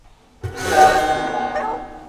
Bisaani bonaa.